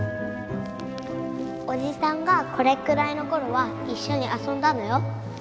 おじさんがこれっくらいの頃は一緒に遊んだのよ。